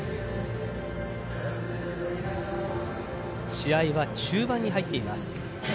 試合は中盤に入っています。